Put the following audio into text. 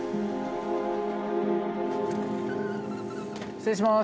失礼します。